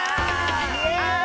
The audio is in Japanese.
イエーイ！